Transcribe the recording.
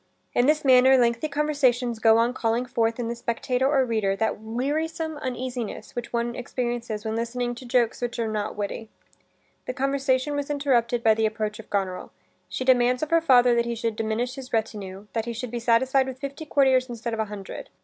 In this manner lengthy conversations go on calling forth in the spectator or reader that wearisome uneasiness which one experiences when listening to jokes which are not witty. This conversation was interrupted by the approach of Goneril. She demands of her father that he should diminish his retinue; that he should be satisfied with fifty courtiers instead of a hundred.